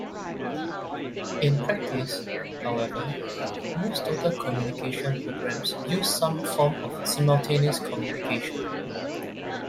In practice, however, most Total Communication programs use some form of Simultaneous Communication.